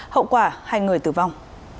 hậu quả hai người tử vong